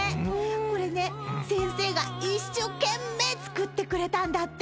これね先生が一生懸命作ってくれたんだって。